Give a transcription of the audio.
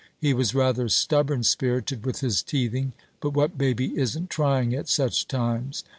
He was rather stubborn spirited with his teething; but what baby isn't trying at such times?